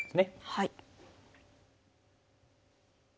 はい。